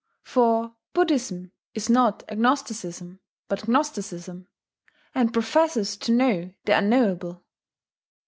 For Buddhism is not agnosticism, but gnosticism, and professes to know the unknowable.